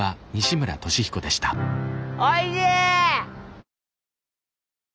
おいしい！